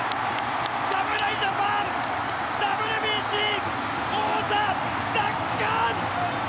侍ジャパン、ＷＢＣ王座奪還！